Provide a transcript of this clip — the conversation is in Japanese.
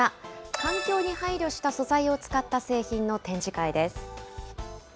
環境に配慮した素材を使った製品の展示会です。